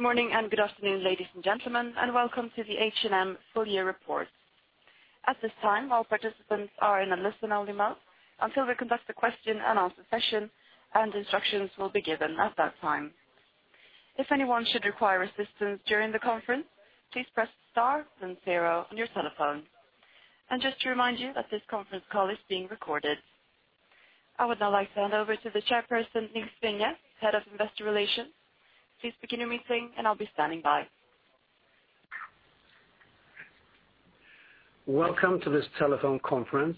Good morning and good afternoon, ladies and gentlemen, and welcome to the H&M full-year report. At this time, all participants are in a listen-only mode until we conduct a question and answer session, and instructions will be given at that time. If anyone should require assistance during the conference, please press star and zero on your telephone. Just to remind you, this conference call is being recorded. I would now like to hand over to the Chairperson, Nils Vinge, Head of Investor Relations. Please begin your meeting, and I'll be standing by. Welcome to this telephone conference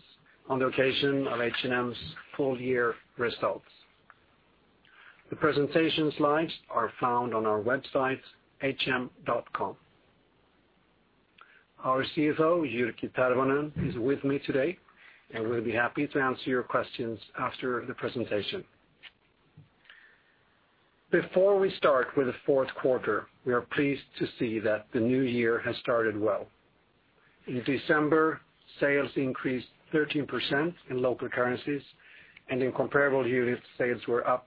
on the occasion of H&M's full-year results. The presentation slides are found on our website, hm.com. Our CFO, Jyrki Tervonen, is with me today, and we will be happy to answer your questions after the presentation. Before we start with the fourth quarter, we are pleased to see that the new year has started well. In December, sales increased 13% in local currencies, and in comparable units, sales were up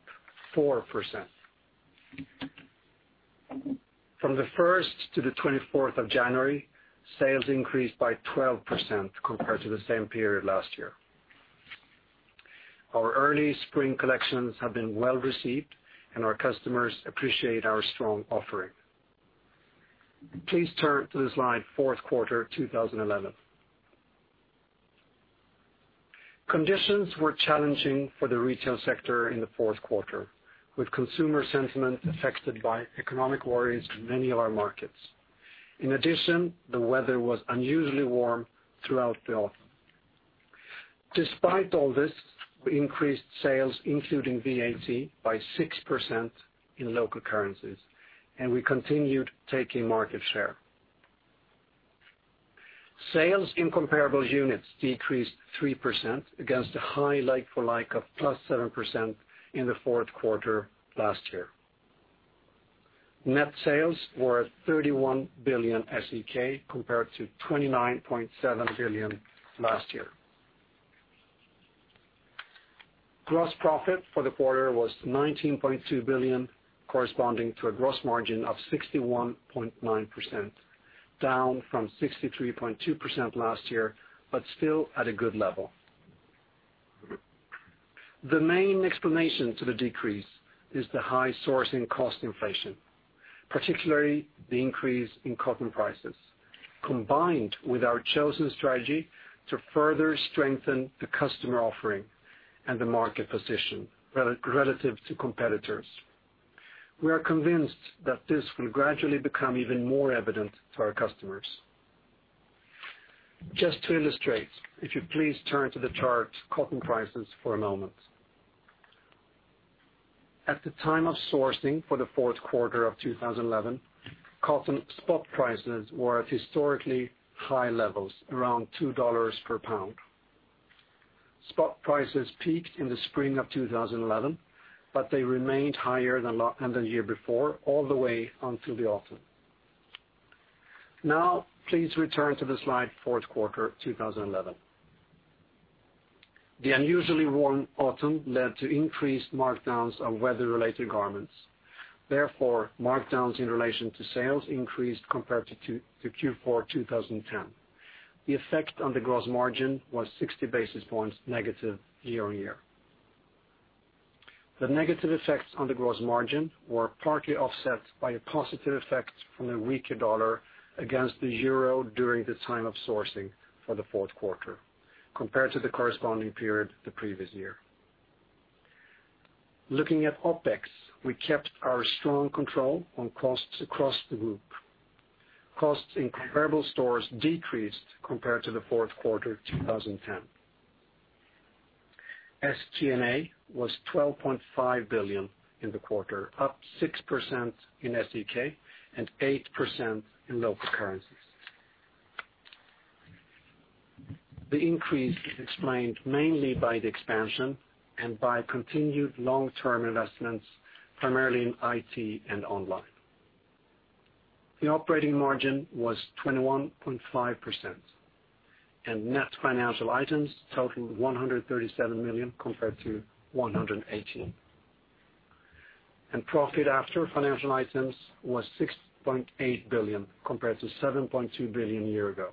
4%. From the 1st to the 24th of January, sales increased by 12% compared to the same period last year. Our early spring collections have been well received, and our customers appreciate our strong offering. Please turn to the slide fourth quarter, 2011. Conditions were challenging for the retail sector in the fourth quarter, with consumer sentiment affected by economic worries in many of our markets. In addition, the weather was unusually warm throughout the autumn. Despite all this, we increased sales, including VAT, by 6% in local currencies, and we continued taking market share. Sales in comparable units decreased 3% against a high like-for-like of plus 7% in the fourth quarter last year. Net sales were at 31 billion SEK compared to 29.7 billion last year. Gross profit for the quarter was 19.2 billion, corresponding to a gross margin of 61.9%, down from 63.2% last year, but still at a good level. The main explanation for the decrease is the high sourcing cost inflation, particularly the increase in cotton prices, combined with our chosen strategy to further strengthen the customer offering and the market position relative to competitors. We are convinced that this will gradually become even more evident to our customers. Just to illustrate, if you please turn to the chart cotton prices for a moment. At the time of sourcing for the fourth quarter of 2011, cotton spot prices were at historically high levels, around $2 per pound. Spot prices peaked in the spring of 2011, but they remained higher than the year before, all the way until the autumn. Now, please return to the slide fourth quarter, 2011. The unusually warm autumn led to increased markdowns on weather-related garments. Therefore, markdowns in relation to sales increased compared to Q4 2010. The effect on the gross margin was 60 basis points negative year-on-year. The negative effects on the gross margin were partly offset by a positive effect from the weaker dollar against the euro during the time of sourcing for the fourth quarter, compared to the corresponding period the previous year. Looking at OpEx, we kept our strong control on costs across the group. Costs in comparable stores decreased compared to the fourth quarter 2010. SG&A was 12.5 billion in the quarter, up 6% in SEK and 8% in local currencies. The increase explained mainly by the expansion and by continued long-term investments, primarily in IT and online. The operating margin was 21.5%, and net financial items totaled 137 million compared to 118 million. Profit after financial items was 6.8 billion compared to 7.2 billion a year ago.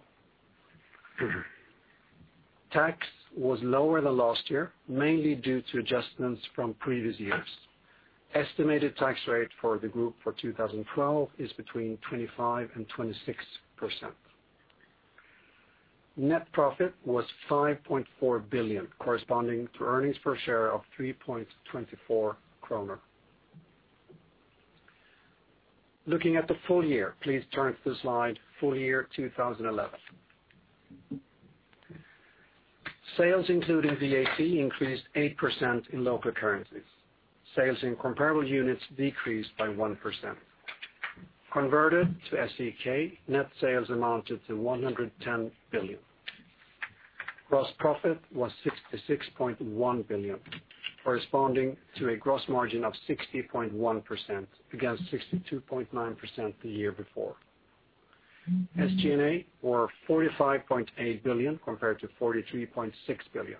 Tax was lower than last year, mainly due to adjustments from previous years. Estimated tax rate for the group for 2012 is between 25% and 26%. Net profit was 5.4 billion, corresponding to earnings per share of 3.24 kronor. Looking at the full year, please turn to the slide full-year 2011. Sales including VAT increased 8% in local currencies. Sales in comparable units decreased by 1%. Converted to SEK, net sales amounted to 110 billion. Gross profit was 66.1 billion, corresponding to a gross margin of 60.1% against 62.9% the year before. SG&A were 45.8 billion compared to 43.6 billion.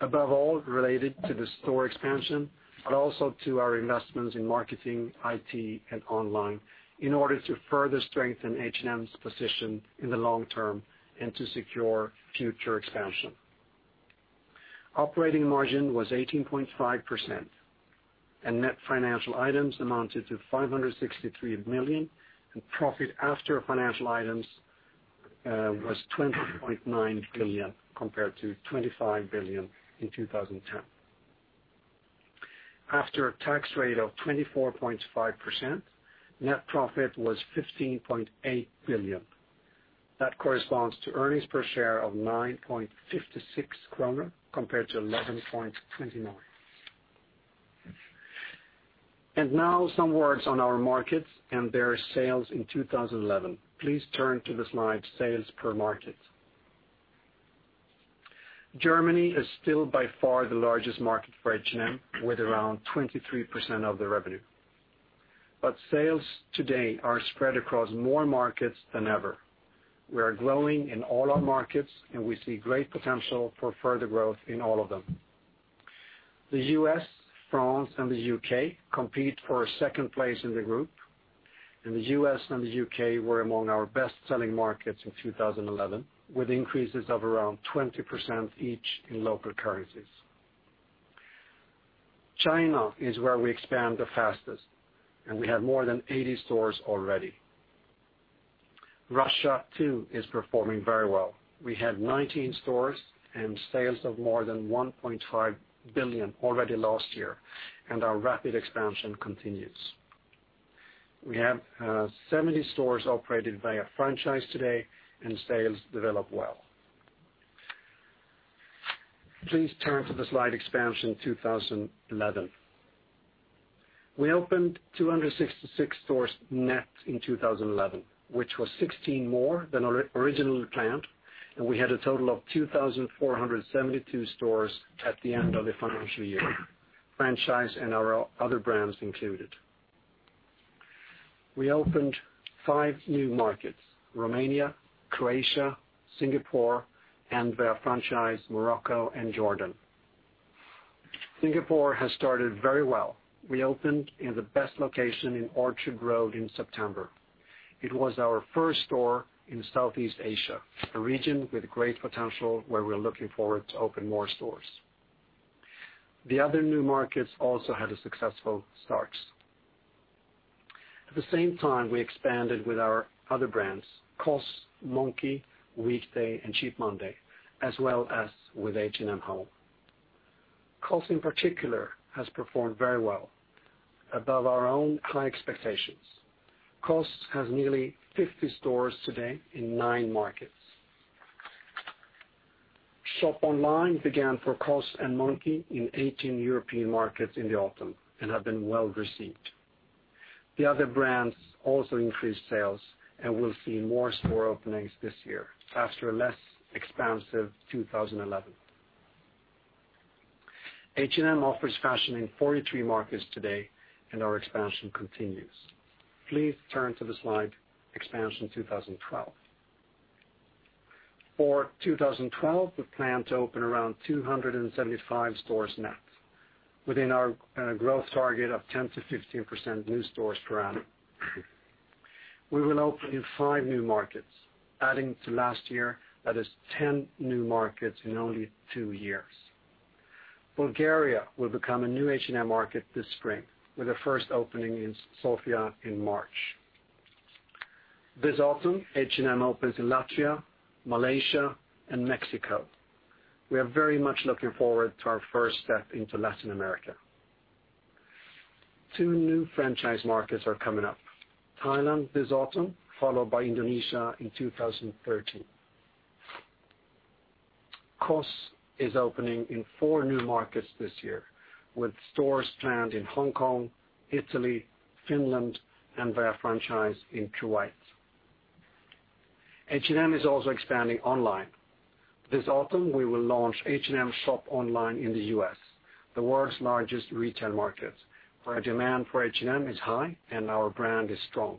Above all, related to the store expansion, but also to our investments in marketing, IT, and online, in order to further strengthen H&M's position in the long term and to secure future expansion. Operating margin was 18.5%, and net financial items amounted to 563 million, and profit after financial items was 20.9 billion compared to 25 billion in 2010. After a tax rate of 24.5%, net profit was SEK 15.8 billion. That corresponds to earnings per share of 9.56 kronor compared to 11.29. Now, some words on our markets and their sales in 2011. Please turn to the slide sales per market. Germany is still by far the largest market for H&M, with around 23% of the revenue. Sales today are spread across more markets than ever. We are growing in all our markets, and we see great potential for further growth in all of them. The U.S., France, and the U.K. compete for a second place in the group, and the U.S. and the U.K. were among our best-selling markets in 2011, with increases of around 20% each in local currencies. China is where we expand the fastest, and we have more than 80 stores already. Russia, too, is performing very well. We have 19 stores and sales of more than 1.5 billion already last year, and our rapid expansion continues. We have 70 stores operated via franchise today, and sales develop well. Please turn to the slide expansion 2011. We opened 266 stores net in 2011, which was 16 more than originally planned, and we had a total of 2,472 stores at the end of the financial year, franchise and our other brands included. We opened five new markets: Romania, Croatia, Singapore, and via franchise, Morocco and Jordan. Singapore has started very well. We opened in the best location in Orchard Road in September. It was our first store in Southeast Asia, a region with great potential where we're looking forward to open more stores. The other new markets also had a successful start. At the same time, we expanded with our other brands: COS, Monki, Weekday, and Cheap Monday, as well as with H&M Home. COS in particular has performed very well, above our own high expectations. COS has nearly 50 stores today in nine markets. Shop Online began for COS and Monki in 18 European markets in the autumn and have been well received. The other brands also increased sales and will see more store openings this year after a less expansive 2011. H&M offers fashion in 43 markets today, and our expansion continues. Please turn to the slide expansion 2012. For 2012, we plan to open around 275 stores net, within our growth target of 10 to 15% new stores per annum. We will open in five new markets, adding to last year, that is 10 new markets in only two years. Bulgaria will become a new H&M market this spring, with a first opening in Sofia in March. This autumn, H&M opens in Latvia, Malaysia, and Mexico. We are very much looking forward to our first step into Latin America. Two new franchise markets are coming up: Thailand this autumn, followed by Indonesia in 2013. COS is opening in four new markets this year, with stores planned in Hong Kong, Italy, Finland, and via franchise in Kuwait. H&M is also expanding online. This autumn, we will launch H&M Shop Online in the U.S., the world's largest retail market, where demand for H&M is high and our brand is strong.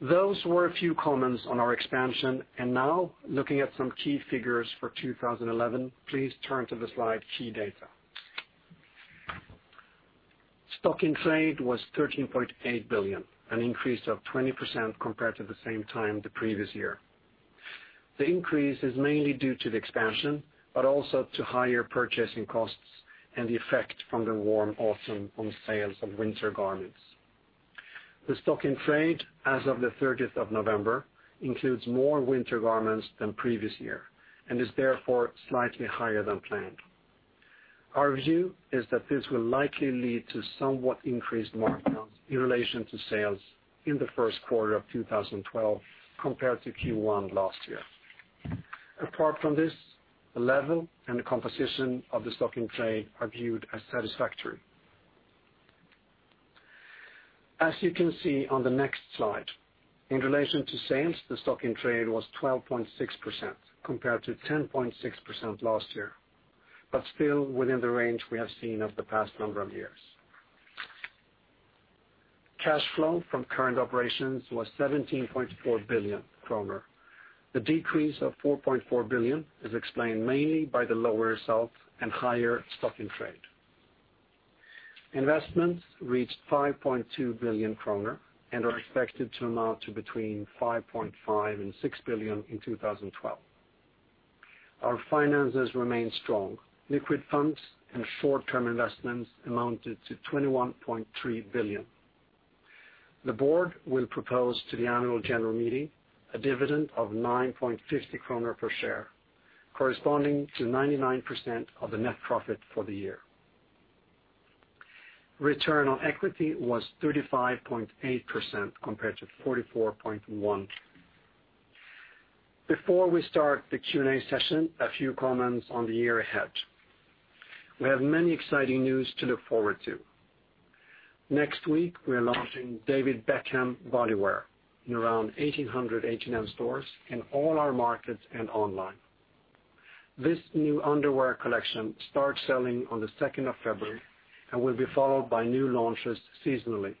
Those were a few comments on our expansion, and now, looking at some key figures for 2011, please turn to the slide key data. Stock in flat was 13.8 billion, an increase of 20% compared to the same time the previous year. The increase is mainly due to the expansion, but also to higher purchasing costs and the effect from the warm autumn on sales of winter garments. The stock-in-trade as of the 30th of November includes more winter garments than previous year and is therefore slightly higher than planned. Our view is that this will likely lead to somewhat increased markdowns in relation to sales in the first quarter of 2012 compared to Q1 last year. Apart from this, the level and the composition of the stock-in-trade are viewed as satisfactory. As you can see on the next slide, in relation to sales, the stock-in-trade was 12.6% compared to 10.6% last year, but still within the range we have seen over the past number of years. Cash flow from current operations was 17.4 billion kronor. The decrease of 4.4 billion is explained mainly by the lower results and higher stock-in-trade. Investments reached 5.2 billion kronor and are expected to amount to between 5.5 and 6 billion in 2012. Our finances remain strong. Liquid funds and short-term investments amounted to 21.3 billion. The Board will propose to the Annual General Meeting a dividend of 9.50 kronor per share, corresponding to 99% of the net profit for the year. Return on equity was 35.8% compared to 44.1%. Before we start the Q&A session, a few comments on the year ahead. We have many exciting news to look forward to. Next week, we are launching the David Beckham bodywear in around 1,800 H&M stores in all our markets and online. This new underwear collection starts selling on the 2nd of February and will be followed by new launches seasonally.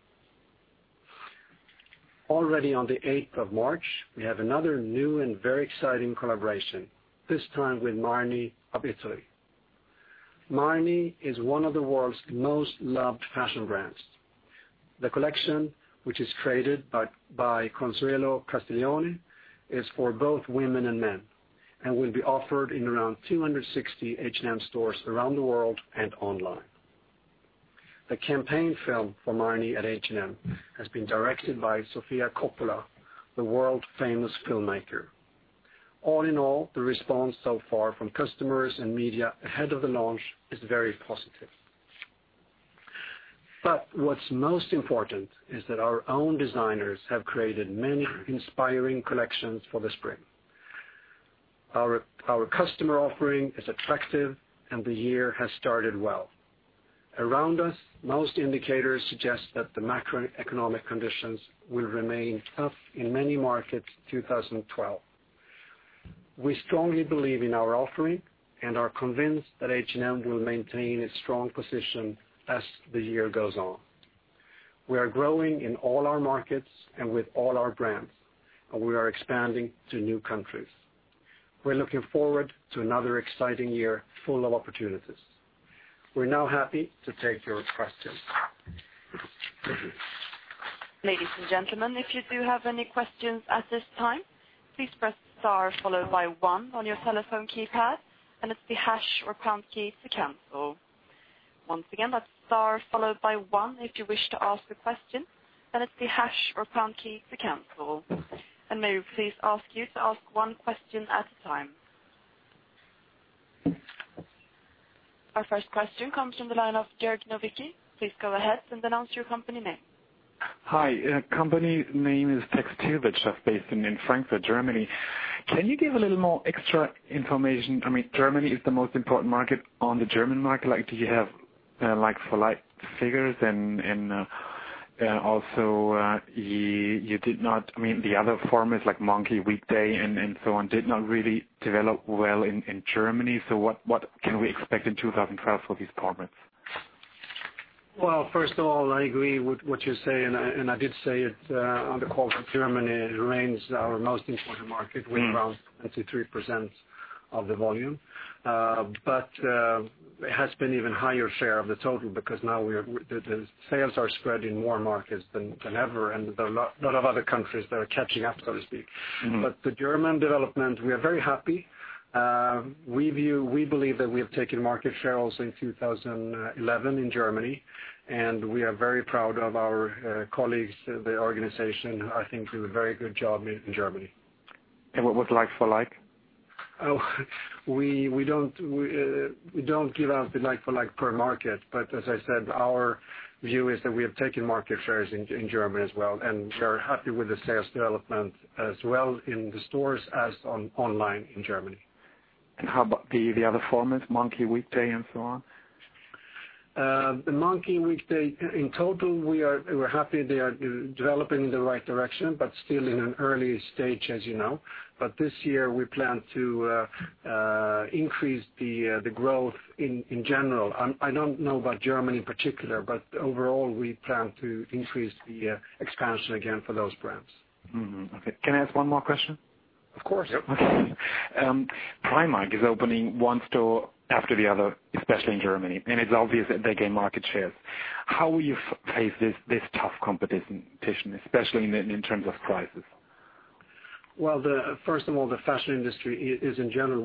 Already on the 8th of March, we have another new and very exciting collaboration, this time with Marni of Italy. Marni is one of the world's most loved fashion brands. The collection, which is created by Consuelo Castiglioni, is for both women and men and will be offered in around 260 H&M stores around the world and online. A campaign film for Marni at H&M has been directed by Sofia Coppola, the world-famous filmmaker. All in all, the response so far from customers and media ahead of the launch is very positive. What is most important is that our own designers have created many inspiring collections for the spring. Our customer offering is attractive, and the year has started well. Around us, most indicators suggest that the macroeconomic conditions will remain tough in many markets in 2012. We strongly believe in our offering and are convinced that H&M will maintain its strong position as the year goes on. We are growing in all our markets and with all our brands, and we are expanding to new countries. We're looking forward to another exciting year full of opportunities. We're now happy to take your questions. Ladies and gentlemen, if you do have any questions at this time, please press star followed by one on your telephone keypad, and it's the hash or pound key to cancel. Once again, that's star followed by one if you wish to ask a question, and it's the hash or pound key to cancel. May we please ask you to ask one question at a time. Our first question comes from the line of Jörg Nowicki. Please go ahead and announce your company name. Hi. Company name is TextilWirtschaft, based in Frankfurt, Germany. Can you give a little more extra information? I mean, Germany is the most important market on the German market. Do you have like-for-like figures? You did not mention, I mean, the other form is like Monki, Weekday, and so on did not really develop well in Germany. What can we expect in 2012 for these products? First of all, I agree with what you say, and I did say it. On the call from Germany, it remains our most important market with around 23% of the volume. It has been an even higher share of the total because now the sales are spread in more markets than ever, and there are a lot of other countries that are catching up, so to speak. The German development, we are very happy. We believe that we have taken market share also in 2011 in Germany, and we are very proud of our colleagues in the organization. I think we do a very good job in Germany. What about like-for-like? Oh, we don't give out the like-for-like per market, but as I said, our view is that we have taken market shares in Germany as well and are very happy with the sales development as well in the stores as online in Germany. How about the other formats, Monki, Weekday, and so on? The Monkey and Weekday, in total, we're happy they are developing in the right direction, but still in an early stage, as you know. This year, we plan to increase the growth in general. I don't know about Germany in particular, but overall, we plan to increase the expansion again for those brands. Okay. Can I ask one more question? Of course. Primark is opening one store after the other, especially in Germany, and it's obvious that they gain market share. How will you face this tough competition, especially in terms of prices? First of all, the fashion industry is, in general,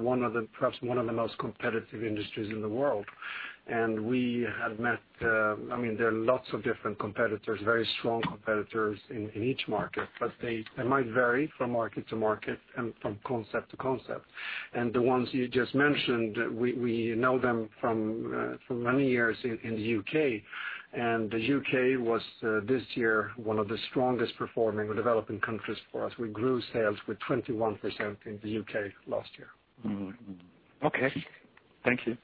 perhaps one of the most competitive industries in the world. We have met, I mean, there are lots of different competitors, very strong competitors in each market, but they might vary from market to market and from concept to concept. The ones you just mentioned, we know them from many years in the U.K. The U.K. was, this year, one of the strongest-performing or developing countries for us. We grew sales with 21% in the U.K. last year. Okay, thank you.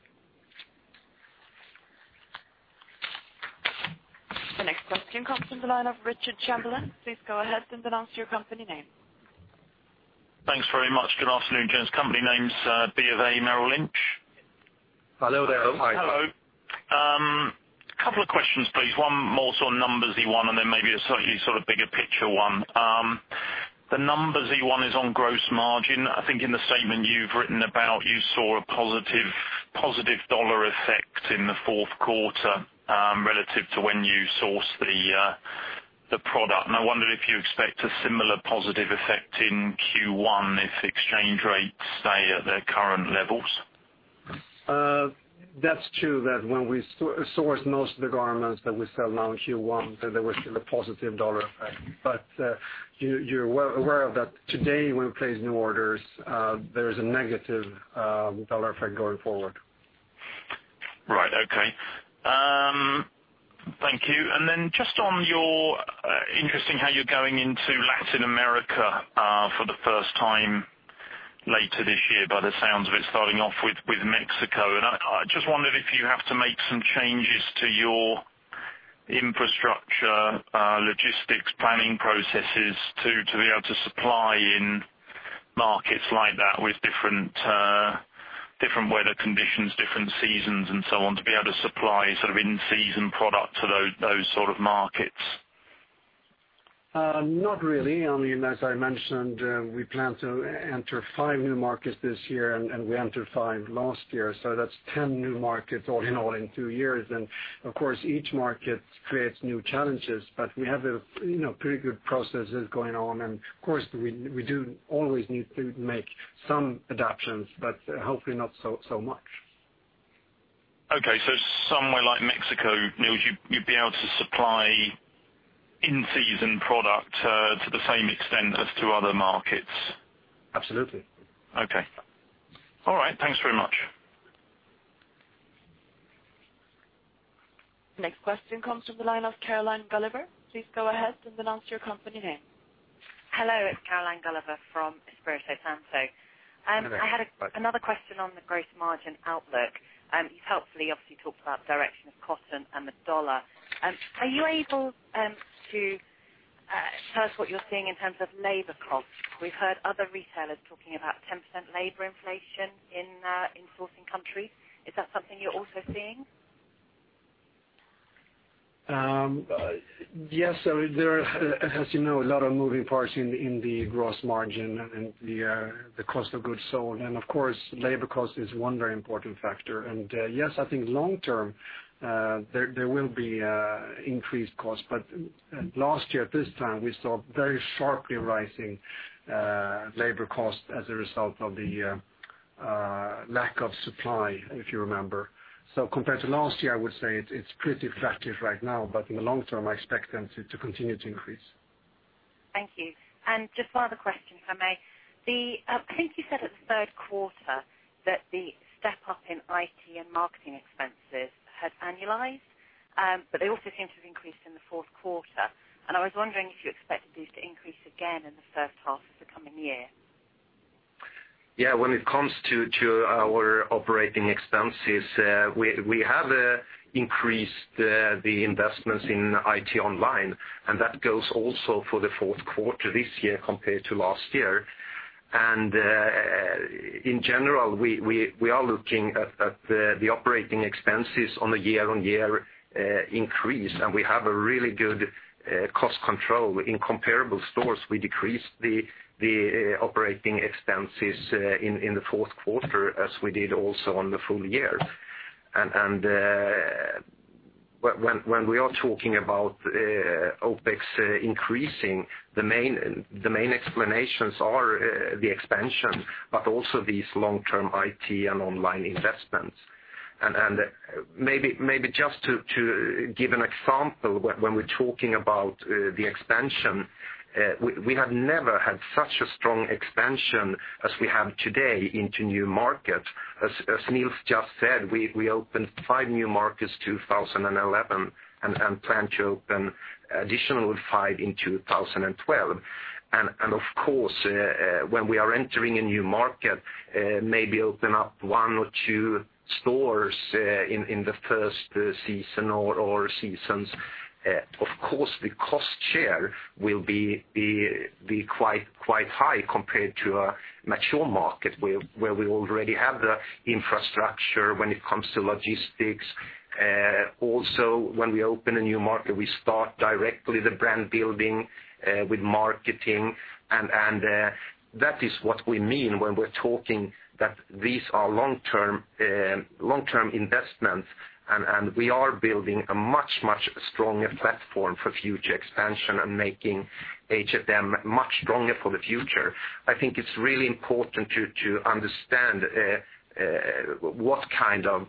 The next question comes from the line of Richard Chamberlain. Please go ahead and announce your company name. Thanks very much. Good afternoon, James. Company name's BofA Merrill Lynch. Hello there. Hi. Hello. A couple of questions, please. One more sort of numbersy one, and then maybe a slightly sort of bigger picture one. The numbersy one is on gross margin. I think in the statement you've written about, you saw a positive dollar effect in the fourth quarter relative to when you sourced the product. I wondered if you expect a similar positive effect in Q1 if exchange rates stay at their current levels. That's true that when we sourced most of the garments that we sell now in Q1, there was still a positive dollar effect. You are well aware that today, when we place new orders, there is a negative dollar effect going forward. Right. Okay. Thank you. Just on your interesting how you're going into Latin America for the first time later this year, by the sounds of it, starting off with Mexico. I just wondered if you have to make some changes to your infrastructure, logistics, planning processes to be able to supply in markets like that with different weather conditions, different seasons, and so on, to be able to supply sort of in-season products for those sort of markets. Not really. I mean, as I mentioned, we plan to enter five new markets this year, and we entered five last year. That is 10 new markets all in all in two years. Each market creates new challenges, but we have pretty good processes going on. We do always need to make some adaptions, but hopefully not so much. Okay. Somewhere like Mexico, Nils, you'd be able to supply in-season product to the same extent as to other markets. Absolutely. Okay, all right. Thanks very much. Next question comes from the line of Caroline Gulliver. Please go ahead and announce your company name. Hello. It's Caroline Gulliver from Espirito Santo. Hello. I had another question on the gross margin outlook. You've helpfully obviously talked about the direction of cotton and the dollar. Are you able to tell us what you're seeing in terms of labor costs? We've heard other retailers talking about 10% labor inflation in sourcing countries. Is that something you're also seeing? Yes. There are, as you know, a lot of moving parts in the gross margin and the cost of goods sold. Of course, labor cost is one very important factor. I think long term, there will be increased costs. Last year, at this time, we saw very sharply rising labor costs as a result of the lack of supply, if you remember. Compared to last year, I would say it's pretty effective right now. In the long term, I expect them to continue to increase. Thank you. Just one other question, if I may. I think you said at the third quarter that the step up in IT and marketing expenses had annualized, but they also seem to have increased in the fourth quarter. I was wondering if you expected these to increase again in the first half of the coming year. Yeah. When it comes to our operating expenses, we have increased the investments in IT online. That goes also for the fourth quarter this year compared to last year. In general, we are looking at the operating expenses on a year-on-year increase. We have a really good cost control in comparable stores. We decreased the operating expenses in the fourth quarter as we did also on the full year. When we are talking about OpEx increasing, the main explanations are the expansion, but also these long-term IT and online investments. Maybe just to give an example, when we're talking about the expansion, we have never had such a strong expansion as we have today into new markets. As Nils just said, we opened five new markets in 2011 and plan to open an additional five in 2012. Of course, when we are entering a new market, maybe open up one or two stores in the first season or seasons. The cost share will be quite high compared to a mature market where we already have the infrastructure when it comes to logistics. Also, when we open a new market, we start directly the brand building with marketing. That is what we mean when we're talking that these are long-term investments. We are building a much, much stronger platform for future expansion and making H&M much stronger for the future. I think it's really important to understand what kind of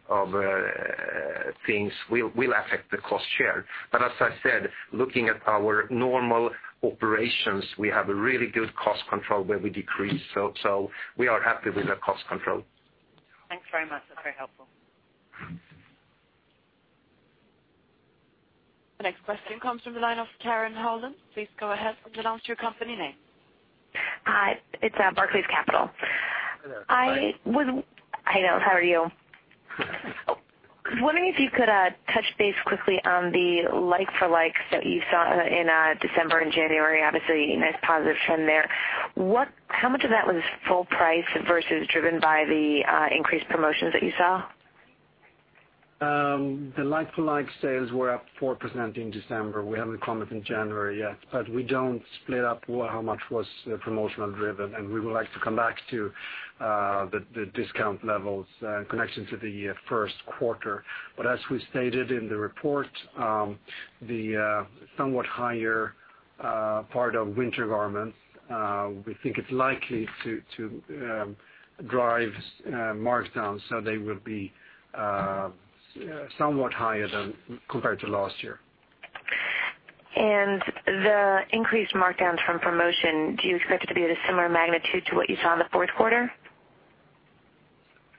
things will affect the cost share. As I said, looking at our normal operations, we have a really good cost control where we decrease. We are happy with the cost control. Thanks very much. That's very helpful. The next question comes from the line of Karen Holland. Please go ahead and announce your company name. Hi. It's Barclays Capital. Hello. How are you? Good. Wondering if you could touch base quickly on the like-for-likes that you saw in December and January. Obviously, a nice positive trend there. How much of that was full price versus driven by the increased promotions that you saw? The like-for-like sales were up 4% in December. We haven't commented in January yet. We don't split up how much was promotional-driven. We would like to come back to the discount levels in connection to the first quarter. As we stated in the report, the somewhat higher part of winter garments, we think it's likely to drive markdowns. They will be somewhat higher than compared to last year. Do you expect the increased markdowns from promotion to be of a similar magnitude to what you saw in the fourth quarter?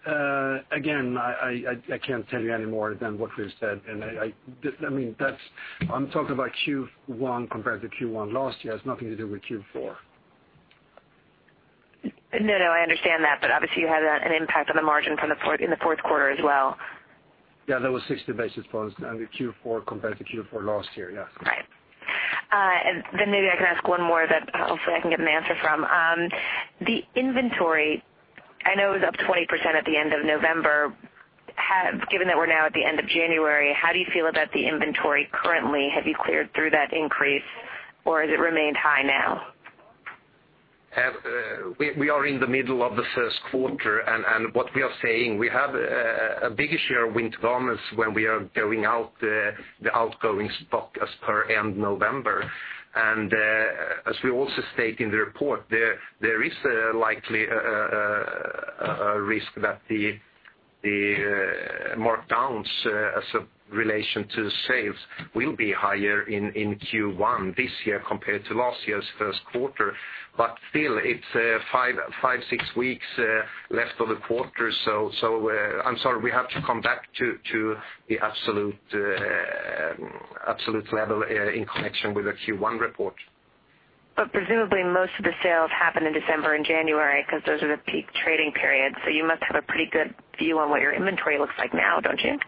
I can't tell you any more than what we've said. I'm talking about Q1 compared to Q1 last year. It has nothing to do with Q4. No, no. I understand that. Obviously, you had an impact on the margin in the fourth quarter as well. Yeah, that was 60 basis points in Q4 compared to Q4 last year. Yes. Right. Maybe I can ask one more that hopefully I can get an answer from. The inventory, I know it was up 20% at the end of November. Given that we're now at the end of January, how do you feel about the inventory currently? Have you cleared through that increase, or has it remained high now? We are in the middle of the first quarter. What we are saying is we have a bigger share of winter garments when we are going out the outgoing stock as per end of November. As we also state in the report, there is likely a risk that the markdowns as a relation to sales will be higher in Q1 this year compared to last year's first quarter. Still, it's five, six weeks left of the quarter. I'm sorry. We have to come back to the absolute level in connection with the Q1 report. Presumably, most of the sales happened in December and January because those are the peak trading periods. You must have a pretty good view on what your inventory looks like now, don't you?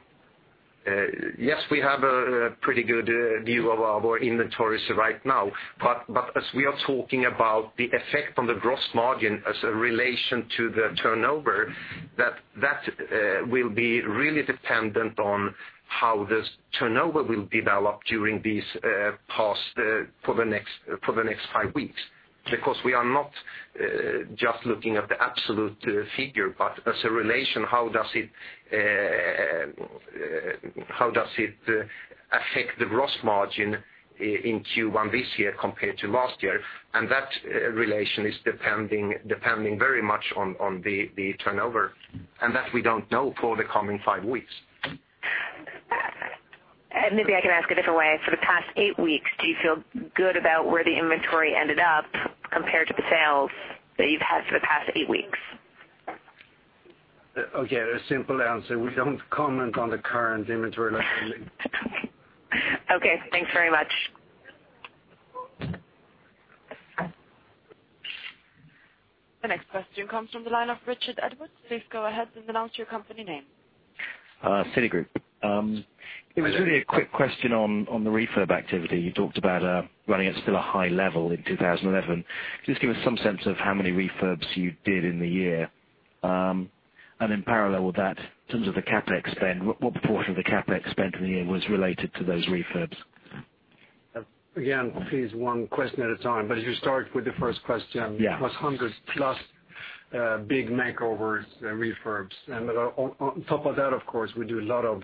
Yes. We have a pretty good view of our inventories right now. As we are talking about the effect on the gross margin as a relation to the turnover, that will be really dependent on how the turnover will develop during these past or the next five weeks. We are not just looking at the absolute figure, but as a relation, how does it affect the gross margin in Q1 this year compared to last year? That relation is depending very much on the turnover. We don't know that for the coming five weeks. Maybe I can ask a different way. For the past eight weeks, do you feel good about where the inventory ended up compared to the sales that you've had for the past eight weeks? Okay. A simple answer. We don't comment on the current inventory level. Okay, thanks very much. The next question comes from the line of Richard Edwards. Please go ahead and announce your company name. Citigroup. It was really a quick question on the refurb activity. You talked about running at still a high level in 2011. Could you just give us some sense of how many refurbs you did in the year? In parallel with that, in terms of the CapEx spend, what portion of the CapEx spend in the year was related to those refurbs? Again, please, one question at a time. If you start with the first question, it was hundreds plus big makeovers, refurbs. On top of that, of course, we do a lot of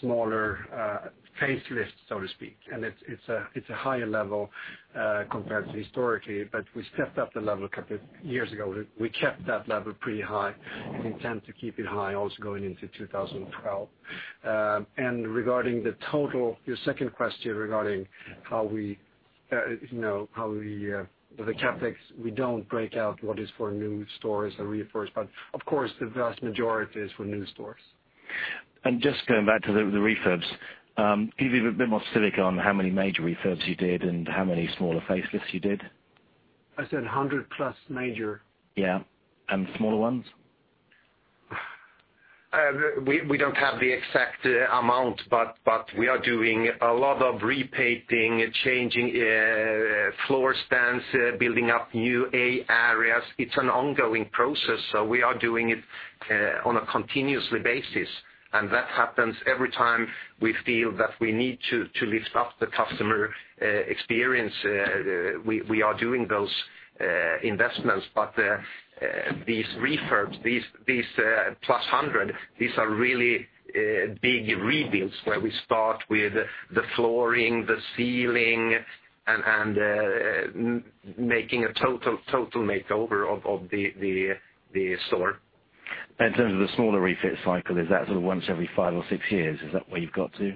smaller facelifts, so to speak. It's a higher level compared to historically. We stepped up the level a couple of years ago. We kept that level pretty high and intend to keep it high also going into 2012. Regarding the total, your second question regarding how we, you know, the CapEx, we don't break out what is for new stores or refurbs. Of course, the vast majority is for new stores. Going back to the refurbs, can you be a bit more specific on how many major refurbs you did and how many smaller facelifts you did? I said 100+ major. Yeah, and smaller ones? We don't have the exact amount, but we are doing a lot of repainting, changing floor stands, building up new A areas. It's an ongoing process. We are doing it on a continuous basis. That happens every time we feel that we need to lift up the customer experience. We are doing those investments. These refurbs, these +100, these are really big rebuilds where we start with the flooring, the ceiling, and making a total makeover of the store. In terms of the smaller refit cycle, is that sort of once every five or six years? Is that where you've got to?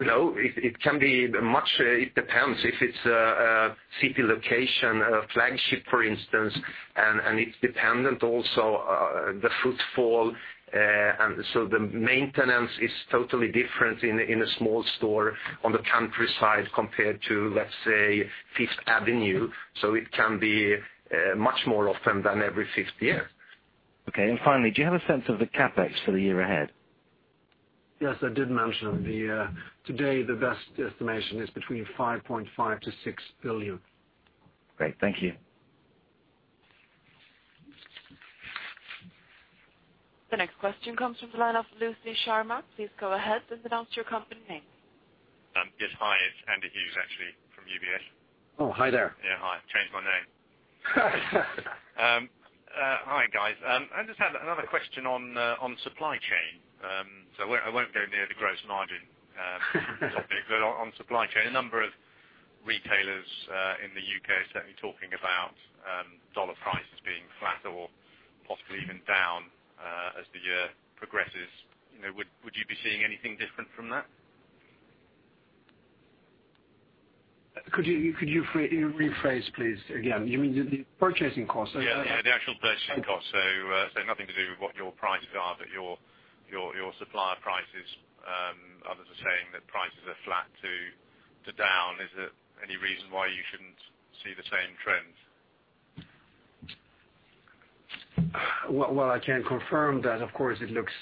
No. It can be much. It depends. If it's a city location, a flagship, for instance, it's dependent also on the footfall. The maintenance is totally different in a small store on the countryside compared to, let's say, Fifth Avenue. It can be much more often than every fifth year. Okay. Finally, do you have a sense of the CapEx for the year ahead? Yes, I did mention today the best estimation is between $5.5 billion-$6 billion. Great. Thank you. The next question comes from the line of Lucy Sharma. Please go ahead and announce your company name. Yes. Hi. Andy Hughes, actually, from UBS. Oh, hi there. Hi, guys. I just had another question on supply chain. I won't go near the gross margin topic, but on supply chain, a number of retailers in the United Kingdom are certainly talking about dollar prices being flat or possibly even down as the year progresses. Would you be seeing anything different from that? Could you rephrase, please? You mean the purchasing costs? Yeah. The actual purchasing costs, so nothing to do with what your prices are, but your supplier prices. Others are saying that prices are flat to down. Is there any reason why you shouldn't see the same trend? I can confirm that, of course, it looks,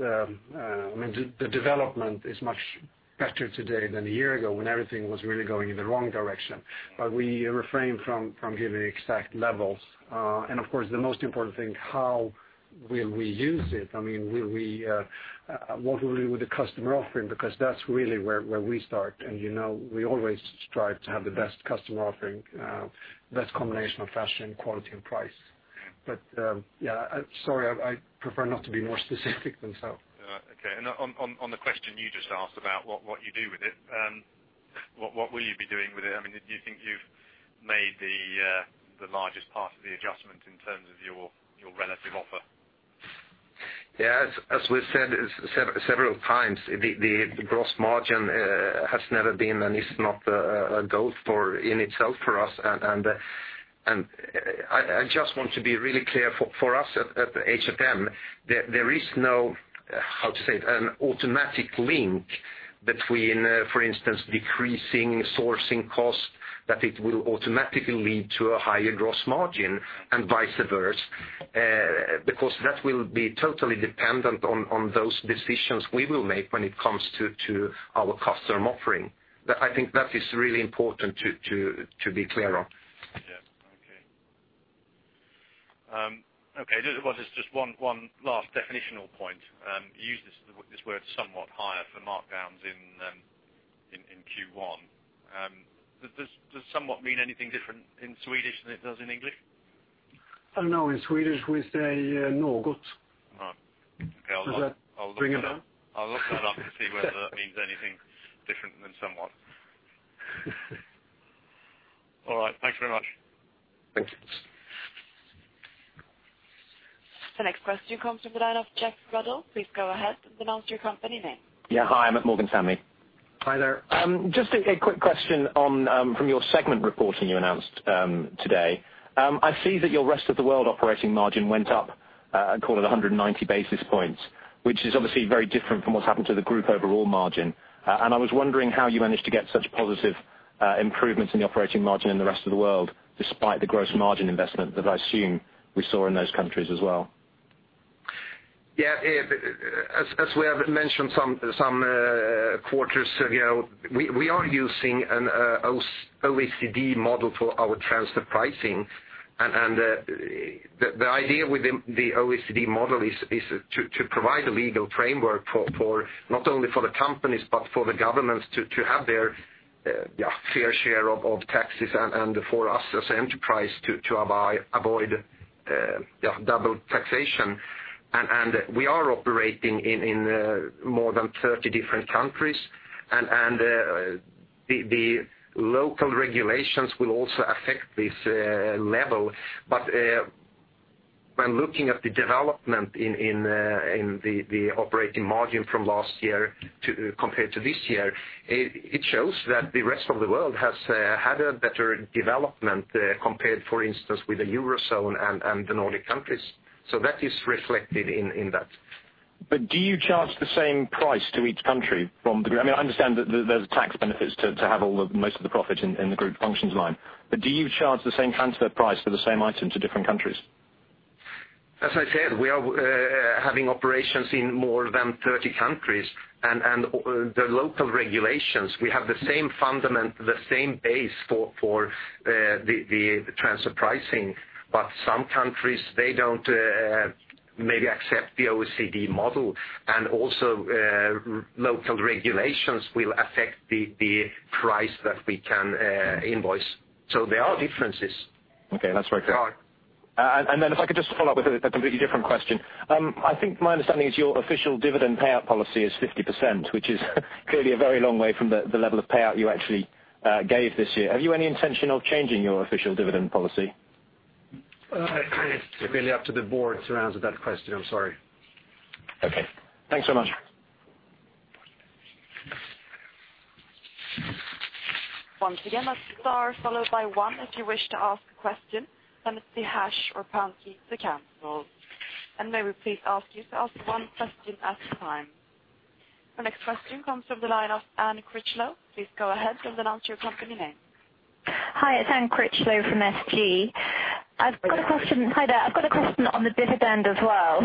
I mean, the development is much better today than a year ago when everything was really going in the wrong direction. We refrain from giving exact levels. Of course, the most important thing is how we will use it. I mean, what will we do with the customer offering? That's really where we start. You know we always strive to have the best customer offering, the best combination of fashion, quality, and price. Sorry, I prefer not to be more specific than so. Okay. On the question you just asked about what you do with it, what will you be doing with it? Do you think you've made the largest part of the adjustment in terms of your relative offer? As we said several times, the gross margin has never been, and it's not a goal story in itself for us. I just want to be really clear. For us at H&M, there is no, how to say it, an automatic link between, for instance, decreasing sourcing costs, that it will automatically lead to a higher gross margin and vice versa. That will be totally dependent on those decisions we will make when it comes to our customer offering. I think that is really important to be clear on. Okay. Just one last definitional point. You used this word somewhat higher for markdowns in Q1. Does somewhat mean anything different in Swedish than it does in English? Oh, no. In Swedish, we say något. All right. Got it. Does that bring it down? I'll look that up and see whether that means anything different than somewhat. All right. Thanks very much. Thanks. The next question comes from the line of Geoff Ruddell. Please go ahead and announce your company name. Yeah. Hi. I'm at Morgan Stanley. Hi there. Just a quick question from your segment reporting you announced today. I see that your rest of the world operating margin went up, I call it 190 basis points, which is obviously very different from what's happened to the group overall margin. I was wondering how you managed to get such positive improvements in the operating margin in the rest of the world despite the gross margin investment that I assume we saw in those countries as well. Yeah. As we have mentioned some quarters ago, we are using an OECD model for our transfer pricing. The idea with the OECD model is to provide a legal framework not only for the companies but for the governments to have their fair share of taxes and for us as an enterprise to avoid double taxation. We are operating in more than 30 different countries, and the local regulations will also affect this level. When looking at the development in the operating margin from last year compared to this year, it shows that the rest of the world has had a better development compared, for instance, with the eurozone and the Nordic countries. That is reflected in that. Do you charge the same price to each country from the group? I mean, I understand that there's tax benefits to have most of the profit in the group functions line. Do you charge the same transfer price for the same item to different countries? As I said, we are having operations in more than 30 countries. The local regulations, we have the same fundament, the same base for the transfer pricing. Some countries don't maybe accept the OECD model. Also, local regulations will affect the price that we can invoice. There are differences. Okay, that's very clear. There are. If I could just follow up with a completely different question. I think my understanding is your official dividend payout policy is 50%, which is clearly a very long way from the level of payout you actually gave this year. Have you any intention of changing your official dividend policy? It's really up to the board to answer that question. I'm sorry. Okay, thanks very much. Once again, that's star followed by one if you wish to ask a question. It's the hash or pound key to cancel. May we please ask you to ask one question at a time. The next question comes from the line of Anne Critchlow. Please go ahead and announce your company name. Hi. It's Anne Critchlow from SG. I've got a question. Hi there. I've got a question on the dividend as well.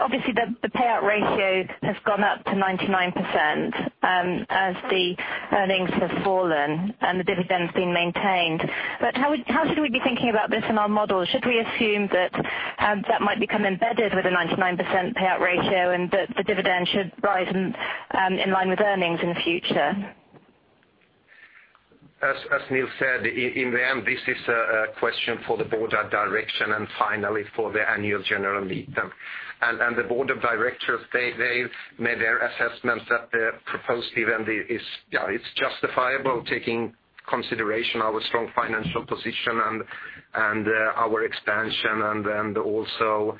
Obviously, the payout ratio has gone up to 99% as the earnings have fallen and the dividend's been maintained. How should we be thinking about this in our model? Should we assume that that might become embedded with a 99% payout ratio and that the dividend should rise in line with earnings in the future? As Nils said, in the end, this is a question for the Board of Directors and finally for the Annual General Meeting. The Board of Directors made their assessments that the proposed dividend is justifiable taking consideration our strong financial position and our expansion and also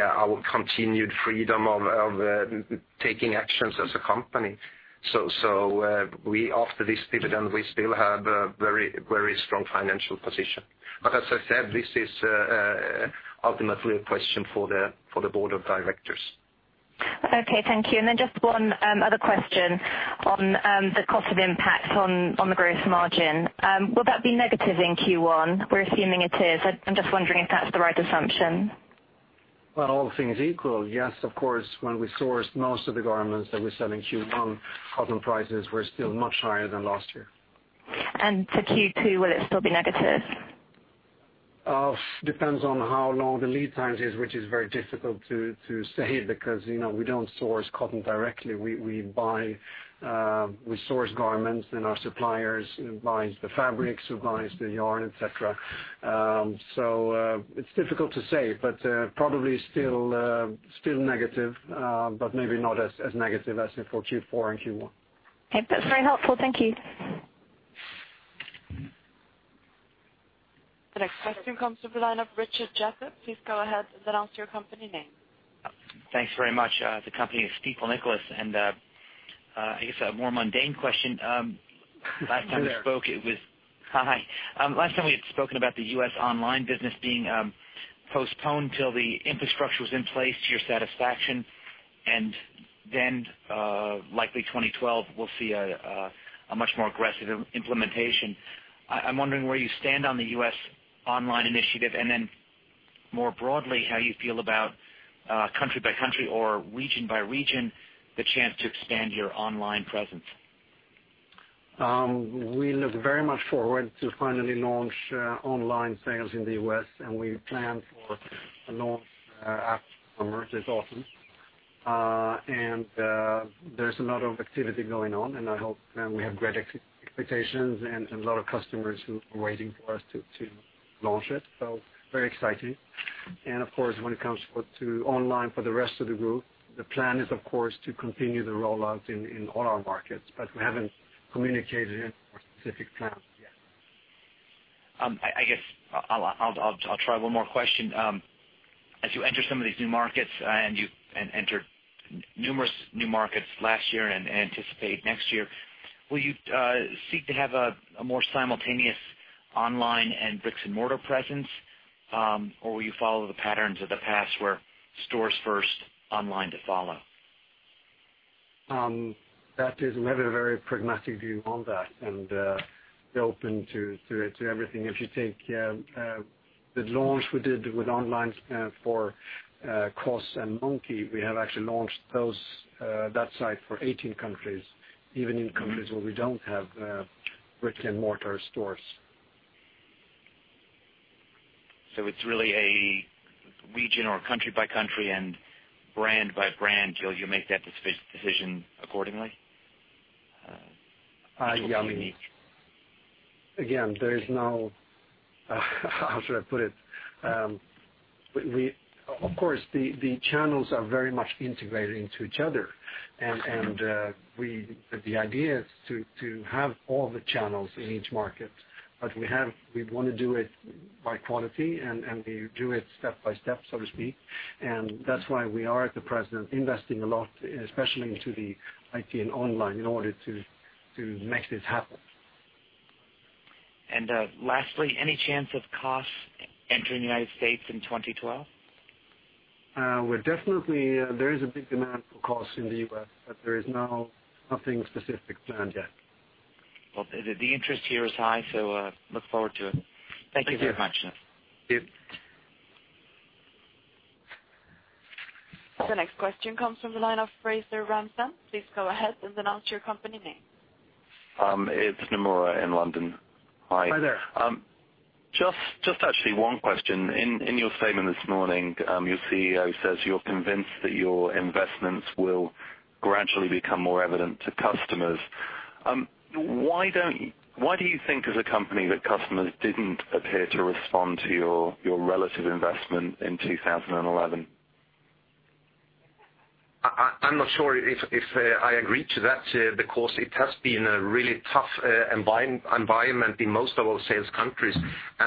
our continued freedom of taking actions as a company. After this dividend, we still have a very, very strong financial position. As I said, this is ultimately a question for the Board of Directors. Okay. Thank you. Just one other question on the cost of impact on the gross margin. Will that be negative in Q1? We're assuming it is. I'm just wondering if that's the right assumption. Of course, when we sourced most of the garments that we sell in Q1, cotton prices were still much higher than last year. Will it still be negative for Q2? It depends on how long the lead time is, which is very difficult to say because we don't source cotton directly. We source garments and our suppliers buy the fabrics, who buys the yarn, etc. It's difficult to say, but probably still negative, but maybe not as negative as for Q4 and Q1. Okay, that's very helpful. Thank you. The next question comes from the line of Richard Jeffords. Please go ahead and announce your company name. Thanks very much. The company is Stifel Nicolaus. I guess a more mundane question. Last time we spoke, it was hi. Last time we had spoken about the U.S. online business being postponed until the infrastructure was in place to your satisfaction. Likely 2012, we'll see a much more aggressive implementation. I'm wondering where you stand on the U.S. online initiative and more broadly how you feel about country by country or region by region, the chance to expand your online presence. We look very much forward to finally launch online sales in the U.S. We plan for a launch after this autumn. There is a lot of activity going on. We have great expectations and a lot of customers who are waiting for us to launch it. It is very exciting. Of course, when it comes to online for the rest of the group, the plan is to continue the rollout in all our markets. We haven't communicated any more specific plans yet. I guess I'll try one more question. As you enter some of these new markets and you entered numerous new markets last year and anticipate next year, will you seek to have a more simultaneous online and bricks-and-mortar presence, or will you follow the patterns of the past where stores first, online to follow? That is, we have a very pragmatic view on that and we're open to everything. If you take the launch we did with online for COS and Monki, we have actually launched that site for 18 countries, even in countries where we don't have bricks-and-mortar stores. It is really a region or country by country and brand by brand. You'll make that decision accordingly? There is no, how should I put it? Of course, the channels are very much integrated into each other. The idea is to have all the channels in each market. We want to do it by quality, and we do it step by step, so to speak. That is why we are at the present investing a lot, especially into the IT and online, in order to make this happen. Lastly, any chance of COS entering the United States in 2012? There is a big demand for COS in the U.S., but there is now nothing specific planned yet. The interest here is high, so look forward to it. Thank you very much. Thank you very much. Yep. The next question comes from the line of Fraser Ramzan. Please go ahead and announce your company name. It's Nomura in London. Hi. Hi there. Just actually one question. In your statement this morning, your CEO says you're convinced that your investments will gradually become more evident to customers. Why do you think as a company that customers didn't appear to respond to your relative investment in 2011? I'm not sure if I agree to that because it has been a really tough environment in most of our sales countries.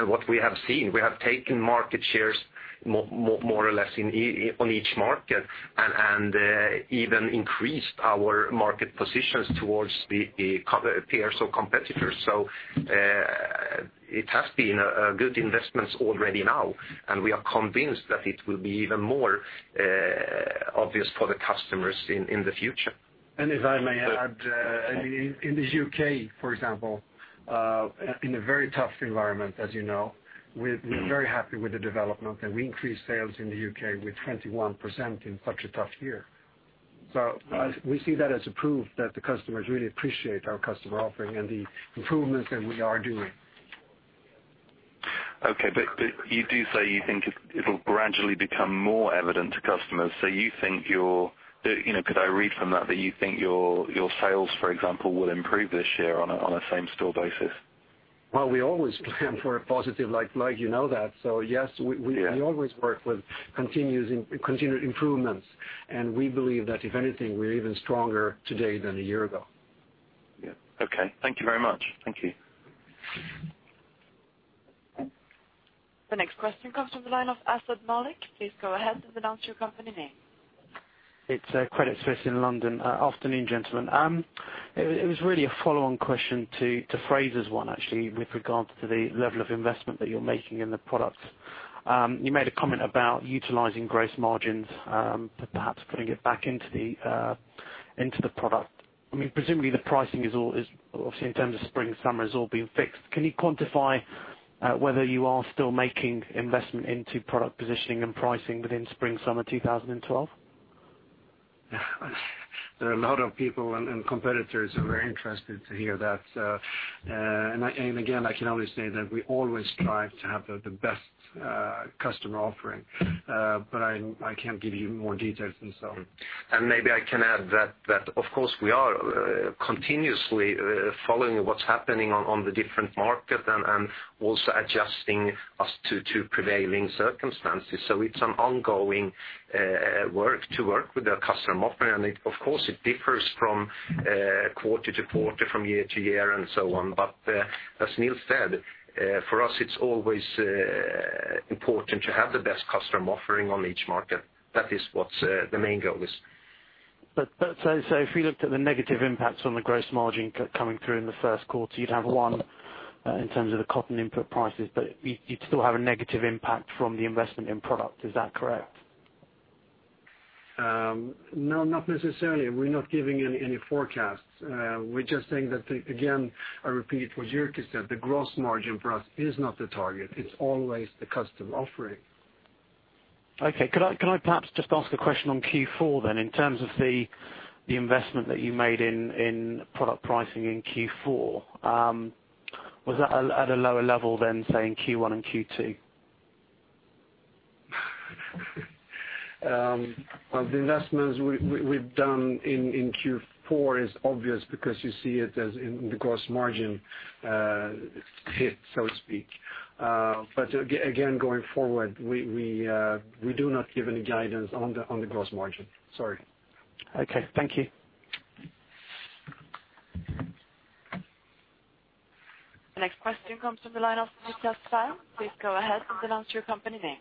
What we have seen, we have taken market shares more or less on each market and even increased our market positions towards the peers or competitors. It has been a good investment already now, and we are convinced that it will be even more obvious for the customers in the future. If I may add, in the U.K., for example, in a very tough environment, as you know, we're very happy with the development. We increased sales in the U.K. by 21% in such a tough year. We see that as proof that the customers really appreciate our customer offering and the improvements that we are doing. Okay. You do say you think it will gradually become more evident to customers. You think your, you know, could I read from that that you think your sales, for example, will improve this year on a same-store basis? We always plan for a positive, like you know that. Yes, we always work with continued improvements, and we believe that if anything, we're even stronger today than a year ago. Thank you very much. Thank you. The next question comes from the line of Asad Malik. Please go ahead and announce your company name. It's Credit Suisse in London. Afternoon, gentlemen. It was really a follow-on question to Fraser's one, actually, with regards to the level of investment that you're making in the products. You made a comment about utilizing gross margins, but perhaps putting it back into the product. I mean, presumably, the pricing is all, obviously, in terms of spring and summer, has all been fixed. Can you quantify whether you are still making investment into product positioning and pricing within spring, summer 2012? There are a lot of people and competitors who are very interested to hear that. I can only say that we always strive to have the best customer offering, but I can't give you more details than so. Maybe I can add that, of course, we are continuously following what's happening on the different markets and also adjusting us to prevailing circumstances. It's an ongoing work to work with the customer offering. It differs from quarter-to-quarter, from year-to-year, and so on. As Nils said, for us, it's always important to have the best customer offering on each market. That is what the main goal is. If we looked at the negative impacts on the gross margin coming through in the first quarter, you'd have one in terms of the cotton input prices, but you'd still have a negative impact from the investment in product. Is that correct? No, not necessarily. We're not giving any forecasts. We're just saying that, again, I repeat what Jyrki said. The gross margin for us is not the target. It's always the customer offering. Okay. Could I perhaps just ask a question on Q4 then in terms of the investment that you made in product pricing in Q4? Was that at a lower level than, say, in Q1 and Q2? The investments we've done in Q4 are obvious because you see it in the gross margin hit, so to speak. Again, going forward, we do not give any guidance on the gross margin. Sorry. Okay, thank you. The next question comes from the line of Justice. Please go ahead and announce your company name.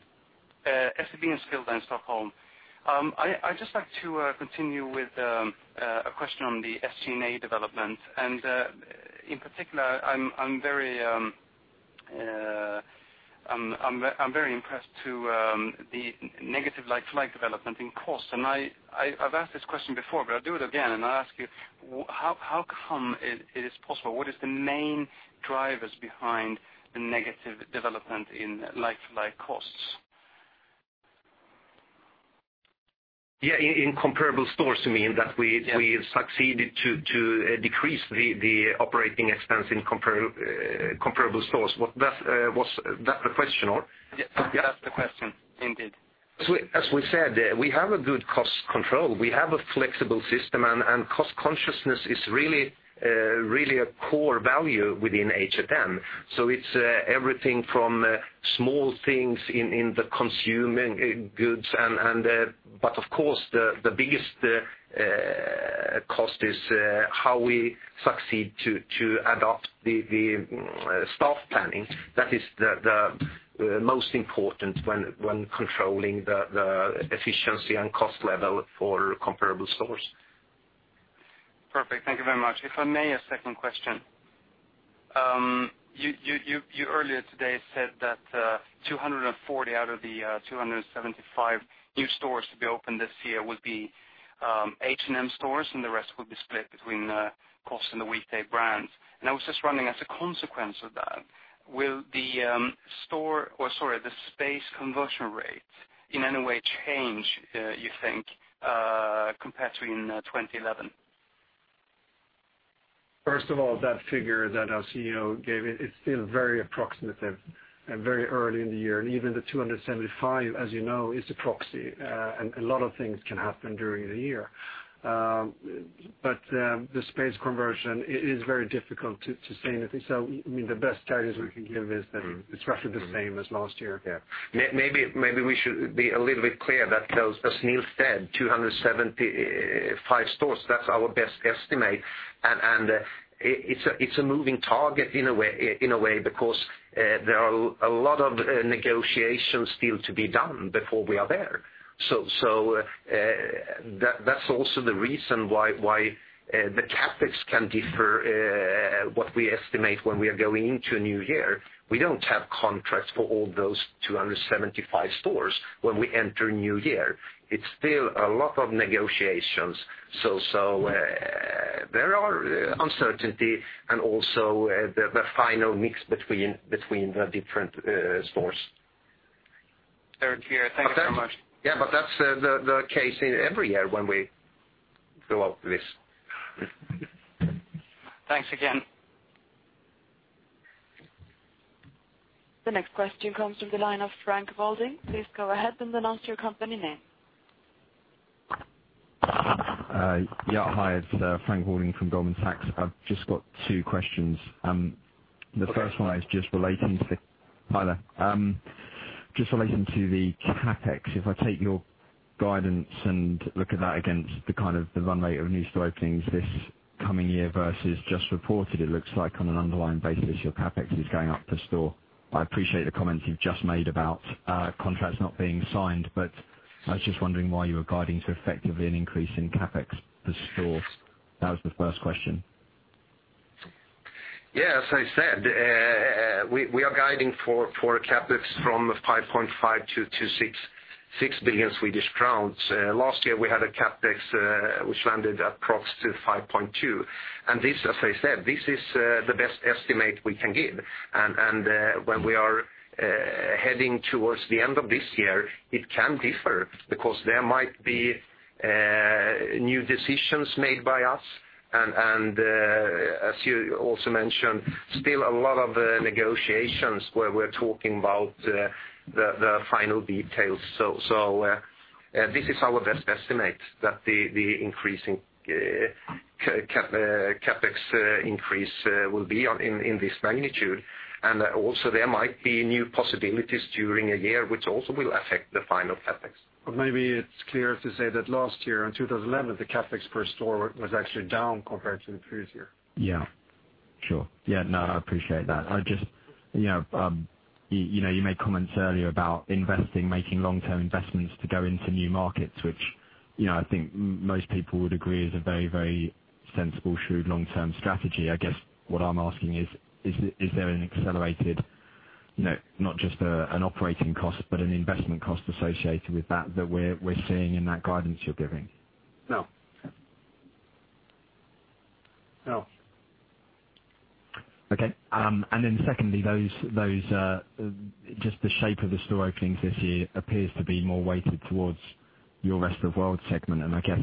SEB in Stockholm. I'd just like to continue with a question on the SG&A development. In particular, I'm very impressed with the negative like-for-like development in cost. I've asked this question before, but I'll do it again. I'll ask you, how come it is possible? What is the main drivers behind the negative development in like-for-like costs? Yeah. In comparable stores, you mean that we've succeeded to decrease the operating expense in comparable stores? Was that the question? Yes, that's the question, indeed. As we said, we have a good cost control. We have a flexible system, and cost consciousness is really a core value within H&M. It's everything from small things in the consuming goods. Of course, the biggest cost is how we succeed to adopt the staff planning. That is the most important when controlling the efficiency and cost level for comparable stores. Perfect. Thank you very much. If I may, a second question. You earlier today said that 240 out of the 275 new stores to be opened this year would be H&M stores, and the rest would be split between COS and the Weekday brands. I was just wondering, as a consequence of that, will the store or, sorry, the space conversion rates in any way change, you think, compared to in 2011? First of all, that figure that our CEO gave, it's still very approximative and very early in the year. Even the 275, as you know, is a proxy. A lot of things can happen during the year. The space conversion is very difficult to say anything. I mean, the best charges we can give is that it's roughly the same as last year. Maybe we should be a little bit clear that those, as Nils said, 275 stores, that's our best estimate. It's a moving target in a way because there are a lot of negotiations still to be done before we are there. That's also the reason why the CapEx can differ from what we estimate when we are going into a new year. We don't have contracts for all those 275 stores when we enter a new year. It's still a lot of negotiations. There is uncertainty and also the final mix between the different stores. Thank you. That's the case in every year when we go up to this. Thanks again. The next question comes from the line of Frank Holding. Please go ahead and announce your company name. Hi. It's Frank Holding from Goldman Sachs. I've just got two questions. The first one is just related to the CapEx. If I take your guidance and look at that against the kind of the run rate of new store openings this coming year versus just reported, it looks like on an underlying basis your CapEx is going up per store. I appreciate the comments you've just made about contracts not being signed. I was just wondering why you were guiding to effectively an increase in CapEx per store. That was the first question. Yeah. As I said, we are guiding for CapEx from 5.5 billion Swedish crowns to SEK 6.6 billion. Last year, we had a CapEx which landed at approximately 5.2 billion. As I said, this is the best estimate we can give. When we are heading towards the end of this year, it can differ because there might be new decisions made by us. As you also mentioned, there are still a lot of negotiations where we're talking about the final details. This is our best estimate that the increasing CapEx will be in this magnitude. There might be new possibilities during a year which also will affect the final CapEx. It is clear to say that last year, in 2011, the CapEx per store was actually down compared to the previous year. Yeah, sure. I appreciate that. You made comments earlier about investing, making long-term investments to go into new markets, which I think most people would agree is a very, very sensible, shrewd long-term strategy. I guess what I'm asking is, is there an accelerated, not just an operating cost, but an investment cost associated with that that we're seeing in that guidance you're giving? No. No. Okay. Secondly, the shape of the store openings this year appears to be more weighted towards your rest of the world segment. I guess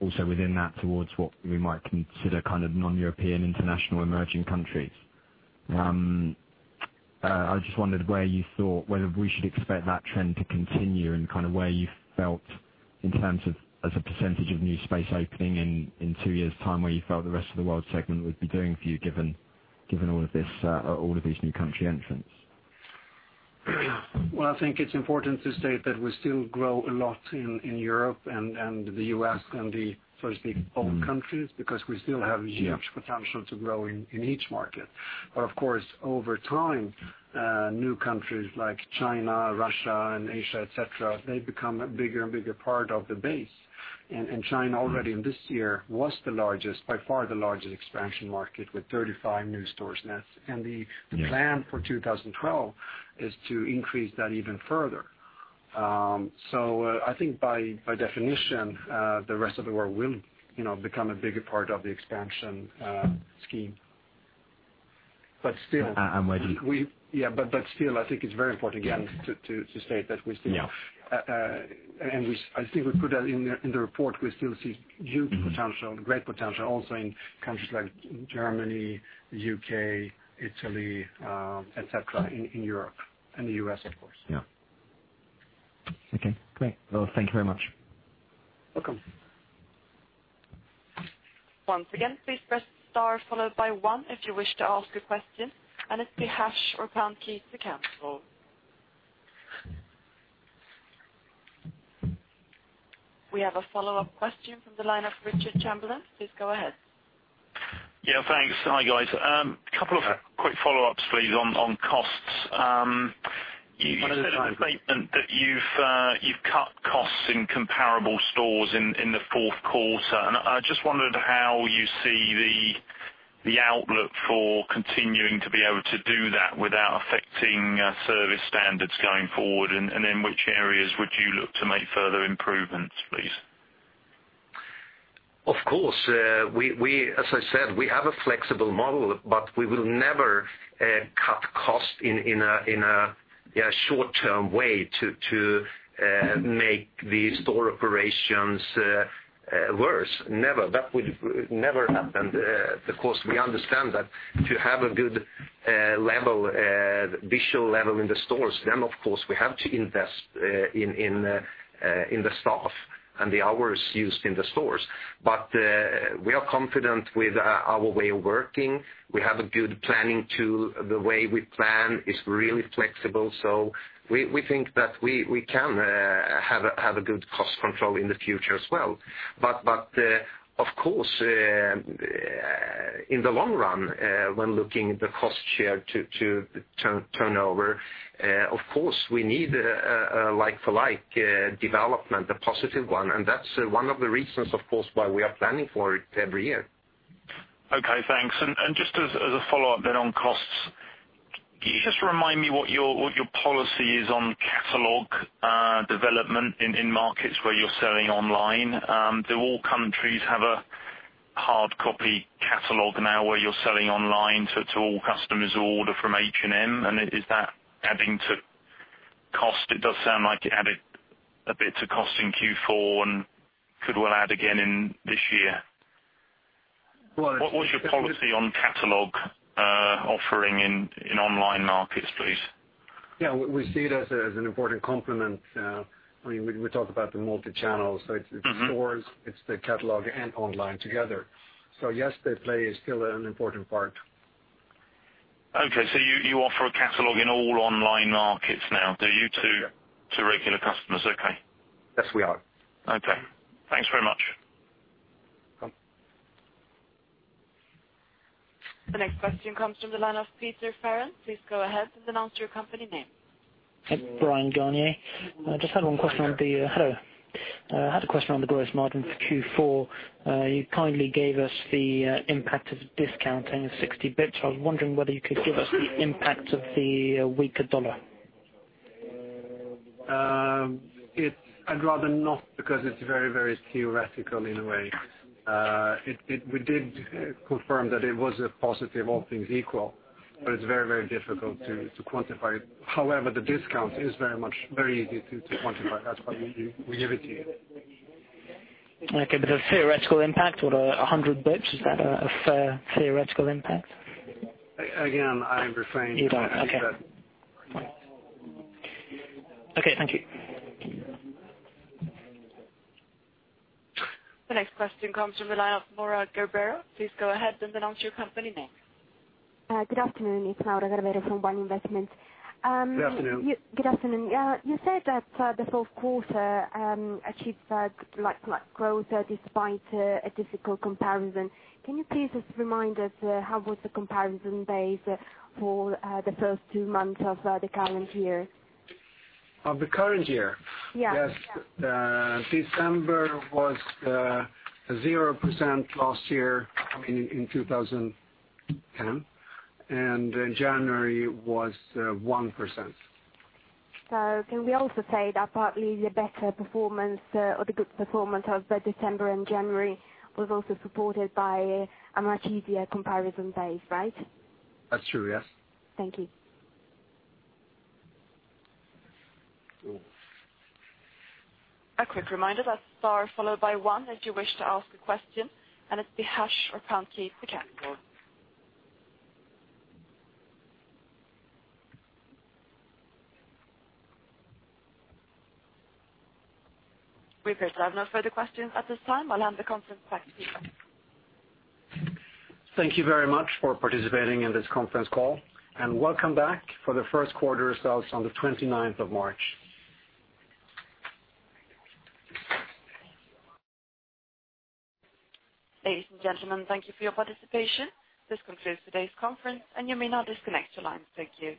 also within that, towards what we might consider kind of non-European, international, emerging countries. I just wondered whether we should expect that trend to continue and where you felt in terms of as a percentage of new space opening in two years' time, where you felt the rest of the world segment would be doing for you given all of these new country entrants. I think it's important to state that we still grow a lot in Europe and the U.S. and the, so to speak, old countries because we still have huge potential to grow in each market. Of course, over time, new countries like China, Russia, and Asia, etc., become a bigger and bigger part of the base. China already in this year was by far the largest expansion market with 35 new stores net. The plan for 2012 is to increase that even further. I think by definition, the rest of the world will become a bigger part of the expansion scheme, but still. Where do you? I think it's very important, again, to state that we still, and I think we put that in the report, we still see huge potential, great potential also in countries like Germany, the U.K., Italy, etc., in Europe, and the U.S., of course. Okay. Great. Thank you very much. Welcome. Once again, please press star followed by one if you wish to ask a question. It's the hash or pound key to cancel. We have a follow-up question from the line of Richard Chamberlain. Please go ahead. Yeah. Thanks. Hi, guys. A couple of quick follow-ups, please, on costs. You said in the statement that you've cut costs in comparable stores in the fourth quarter. I just wondered how you see the outlook for continuing to be able to do that without affecting service standards going forward. In which areas would you look to make further improvements, please? Of course. As I said, we have a flexible model, but we will never cut costs in a short-term way to make the store operations worse. Never. That would never happen because we understand that to have a good level, visual level in the stores, then, of course, we have to invest in the staff and the hours used in the stores. We are confident with our way of working. We have a good planning tool. The way we plan is really flexible. We think that we can have a good cost control in the future as well. Of course, in the long run, when looking at the cost share to turnover, we need a like-for-like development, a positive one. That's one of the reasons why we are planning for it every year. Okay. Thanks. Just as a follow-up on costs, remind me what your policy is on catalog development in markets where you're selling online. Do all countries have a hard copy catalog now where you're selling online to all customers who order from H&M? Is that adding to cost? It does sound like it added a bit to cost in Q4 and could add again this year. What was your policy on catalog offering in online markets, please? We see it as an important complement. I mean, we talk about the multi-channel. It's the stores, the catalog, and online together. Yes, they play still an important part. Okay. You offer a catalog in all online markets now, do you, to regular customers? Okay. Yes, we are. Okay, thanks very much. The next question comes from the line of Peter Farrand. Please go ahead and announce your company name. It's Brian Gurney. I just had one question on the gross margins for Q4. You kindly gave us the impact of discounting of 60 bps. I was wondering whether you could give us the impact of the weaker dollar. I'd rather not because it's very, very theoretical in a way. We did confirm that it was a positive, all things equal. However, it's very, very difficult to quantify it. The discount is very much very easy to quantify when we give it to you. Okay. Is that a fair theoretical impact, what are 100 bps, is a fair theoretical impact? Again, I'm refraining. You don't. Okay, thank you. Okay. The next question comes from the line of Laura Guerrero. Please go ahead and announce your company name. Good afternoon. It's Laura Guerrero from One Investment. Good afternoon. Good afternoon. You said that the fourth quarter achieved like-for-like growth despite a difficult comparison. Can you please just remind us how was the comparison based for the first two months of the current year? Of the current year? Yeah. Yes. December was 0% last year, I mean, in 2010, and January was 1%. Can we also say that partly the better performance or the good performance of December and January was also supported by a much easier comparison base, right? That's true. Yes. Thank you. A quick reminder, that's star followed by one if you wish to ask a question. It's the hash or pound key to cancel. We appear to have no further questions at this time. I'll hand the conference back to you. Thank you very much for participating in this conference call. Welcome back for the first quarter results on the 29th of March. Ladies and gentlemen, thank you for your participation. This concludes today's conference, and you may now disconnect your lines. Thank you.